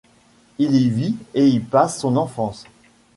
Il y vit et y passe son enfance.